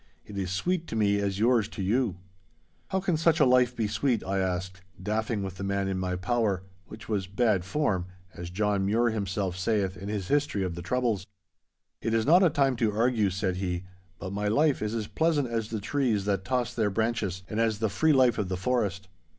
It is sweet to me as yours to you.' 'How can such a life be sweet?' I asked, daffing with the man in my power—which was 'bad form,' as John Mure himself sayeth in his history of the troubles. 'It is not a time to argue,' said he, 'but my life is as pleasant as the trees that toss their branches, and as the free life of the forest.